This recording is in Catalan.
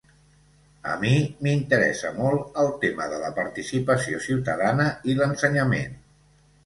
A mi m’interessa molt el tema de la participació ciutadana i l’ensenyament.